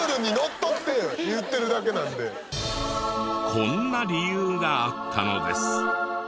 こんな理由があったのです。